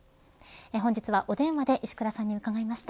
本日はお電話で石倉さんに伺いました。